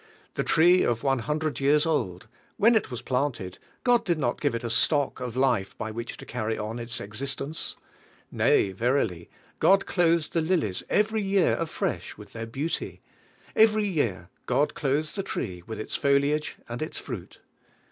The tree of one hundred years old — when it was planted God did not give it a stock of life by which to carry on its existence. Nay, verily, God clothes the lilies every year afresh with their beauty; every year God clothes the tree with its foliage and its fruit.